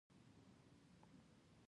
نیکه سړي ته خلکو احترام کوي.